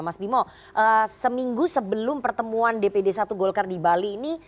mas bimo seminggu sebelum pertemuan dpd satu golkar di bali ini